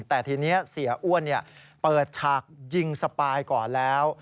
แต่ทีนี้เสียอ้วนเปิดฉากยิงสปายก่อนแล้ว